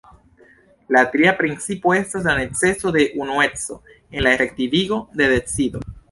La tria principo estas la neceso de unueco en la efektivigo de decido.